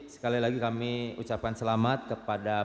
sekali lagi kami ucapkan selamat kepada